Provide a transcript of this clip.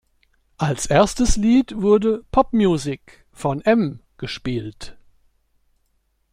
Als erstes Lied wurde "Pop Muzik" von "M" gespielt.